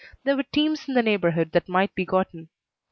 There were teams in the neighborhood that might be gotten.